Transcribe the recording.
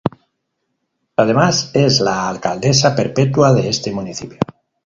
Además es la alcaldesa perpetua de este municipio.